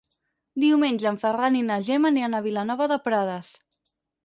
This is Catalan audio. Diumenge en Ferran i na Gemma aniran a Vilanova de Prades.